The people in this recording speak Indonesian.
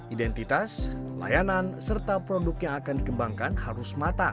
identitas layanan serta produk yang akan dikembangkan harus matang